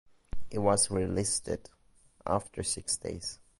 It was relisted after six days.